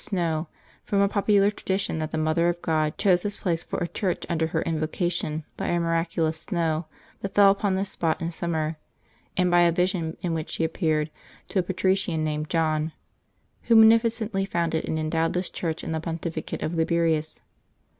'mow, from a popu lar tradition that the Mother of God chose this place for a church under her invocation by a miraculous snow that fell upon this spot in summer, and by a vision in which she appeared to a patrician named John, who munificently founded and endowed this church in the pontificate of Liberius.